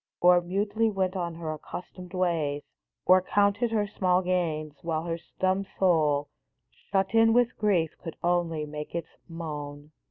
Or mutely went on her accustomed ways, Or counted her small gains, while her dumb soul, Shut in with grief, could only make its moan